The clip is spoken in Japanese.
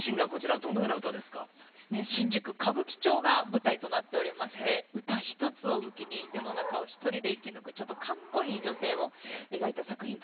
新宿・歌舞伎町が舞台となっておりまして歌一つを武器に世の中を一人で生き抜くちょっとかっこいい女性を描いた作品となっております。